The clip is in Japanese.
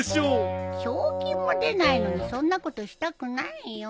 賞金も出ないのにそんなことしたくないよ